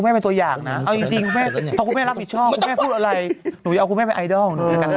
ไม่ให้คุณวันปีใหม่แล้ว